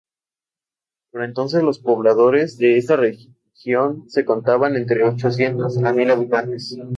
Por entonces, los pobladores de esta región se contaban entre ochocientos a mil habitantes.